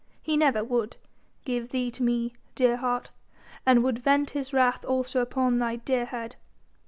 He never would give thee to me, dear heart, and would vent his wrath also upon thy dear head.